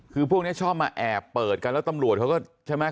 คือพวกนี้ชอบมาแอบเปิดกันแล้วตำรวจเขาก็ใช่ไหม